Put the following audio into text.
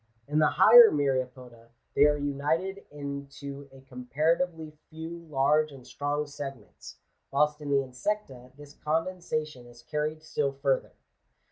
In the higher Myriapoda they are united into a com paratively few large and strong segments, whilst in the Insecta this condensation is carried still further.